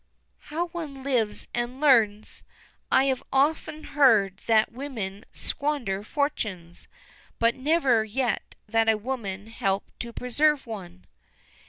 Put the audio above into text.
"How one lives and learns! I have often heard that women squander fortunes, but never yet that a woman helped to preserve one."